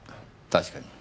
確かに。